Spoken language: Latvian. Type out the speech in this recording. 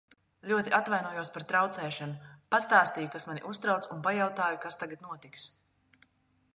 Ļoti atvainojos par traucēšanu, pastāstīju, kas mani uztrauc un pajautāju, kas tagad notiks.